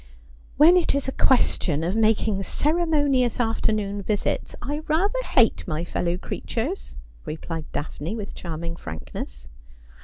' When it is a question of making ceremonious afternoon visits, I rather hate my fellow creatures,' replied Daphne, with charming frankness.